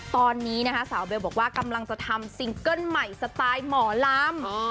ตอนนี้นะคะสาวเบลบอกว่ากำลังจะทำซิงเกิ้ลใหม่สไตล์หมอลำ